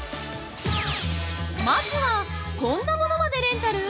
まずはこんなものまでレンタル！？